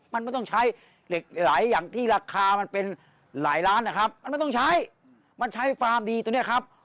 มันไม่ต้องใช้เหล็กไหลอย่างที่ราคามันเป็นหลายล้านนะครับ